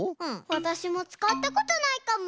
わたしもつかったことないかも。